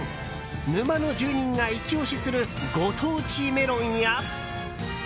沼の住人がイチ押しするご当地メロンや。